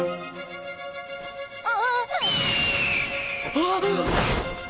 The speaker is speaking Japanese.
あっ！？